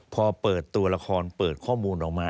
พอเปิดตัวละครเปิดข้อมูลออกมา